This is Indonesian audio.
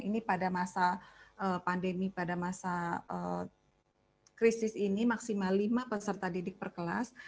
ini pada masa pandemi pada masa krisis ini maksimal lima peserta didik per kelas